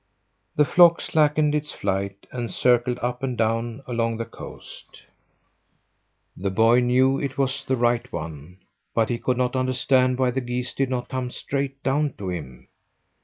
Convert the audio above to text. The flock slackened its flight and circled up and down along the coast. The boy knew it was the right one, but he could not understand why the geese did not come straight down to him.